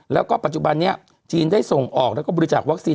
แล้วก็ปัจจุบันนี้จีนได้ส่งออกแล้วก็บริจาควัคซีน